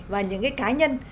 và những cái cá nhân